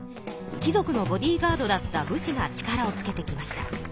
貴族のボディーガードだった武士が力をつけてきました。